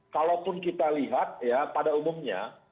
kalaupun kita lihat ya pada umumnya